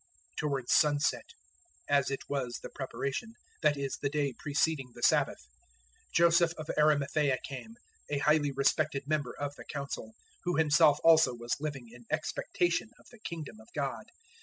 015:042 Towards sunset, as it was the Preparation that is, the day preceding the Sabbath 015:043 Joseph of Arimathaea came, a highly respected member of the Council, who himself also was living in expectation of the Kingdom of God.